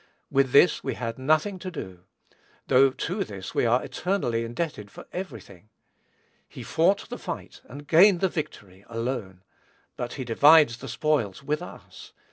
With this we had nothing to do, though to this we are eternally indebted for every thing. He fought the fight and gained the victory, alone; but he divides the spoils with us.